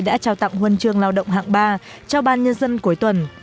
đã trao tặng huân chương lao động hạng ba cho ban nhân dân cuối tuần